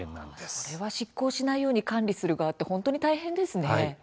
これは失効しないように管理する側って本当に大変ですね。